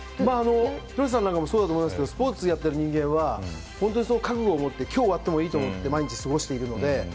廣瀬さんもそうだと思いますけどスポーツやってる人間は覚悟を持って今日で終わってもいいと思って毎日過ごしているので。